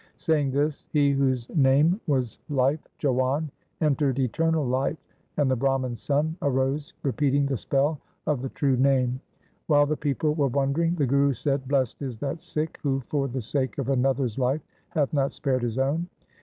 Saying this, he whose name was life — Jiwan — entered eternal life, and the Brahman's son arose repeating the spell of the true Name. While the people were wondering, the Guru said, ' Blest is that Sikh who for the sake of another's life hath not spared his own.'